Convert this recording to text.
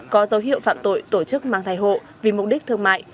có dấu hiệu phạm tội tổ chức mang thai hộ vì mục đích thương mại